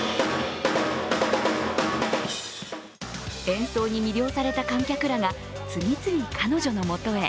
演奏に魅了された観客らが次々、彼女のもとへ。